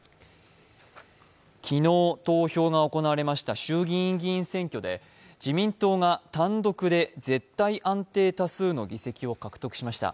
昨日、投票が行われた衆議院選挙で自民党が単独で絶対安定多数の議席を獲得しました。